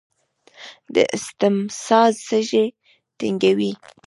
د اسثما سږي تنګوي.